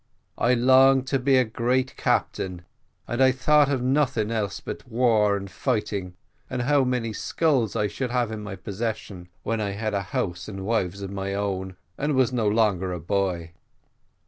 I longed to be a great captain, and I thought of nothing else but war and fighting, and how many skulls I should have in my possession when I had a house and wives of my own, and I was no longer a boy.